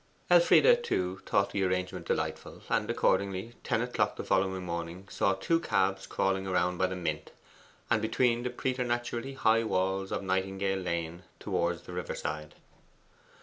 Elfride, too, thought the arrangement delightful; and accordingly, ten o'clock the following morning saw two cabs crawling round by the Mint, and between the preternaturally high walls of Nightingale Lane towards the river side.